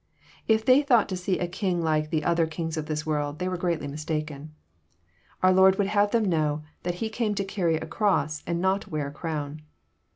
If they thought to see a King like the kings of this world, they were greatly mistaken. Our Lord would have them know that He came to carry a cross, and not to wear a crown.